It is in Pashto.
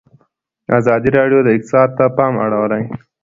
ازادي راډیو د اقتصاد ته پام اړولی.